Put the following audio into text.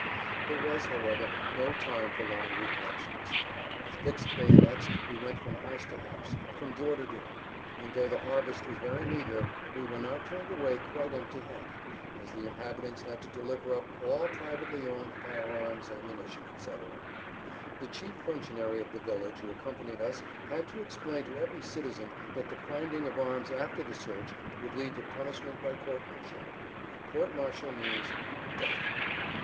There was however no time for long reflections. With fixed bayonets we went from house to house, from door to door, and though the harvest was very meager, we were not turned away quite empty handed, as the inhabitants had to deliver up all privately owned fire arms, ammunition, etc. The chief functionary of the village who accompanied us, had to explain to every citizen that the finding of arms after the search would lead to punishment by court martial. And court martial means—death.